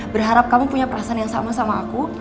berharap kamu punya perasaan yang sama sama aku